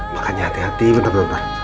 makanya hati hati bentar bentar